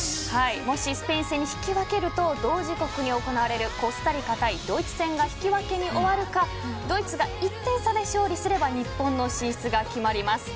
もしスペイン戦に引き分けると同時刻に行われるコスタリカ対ドイツ戦が引き分けに終わるかドイツが１点差で勝利すれば日本の進出が決まります。